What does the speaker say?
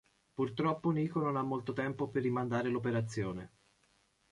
Purtroppo Nico non ha molto tempo per rimandare l'operazione.